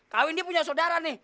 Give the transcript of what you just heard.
kau ini punya saudara nih